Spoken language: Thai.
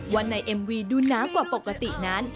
ว่าในเอ็มวีดูน้ำกว่าปกตินั้น